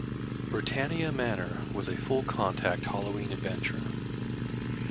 Britannia Manor was a full contact Halloween adventure.